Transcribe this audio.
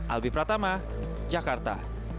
albi pratama jakarta